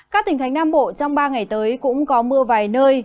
các tỉnh thánh nam bộ trong ba ngày tới cũng có mưa vài nơi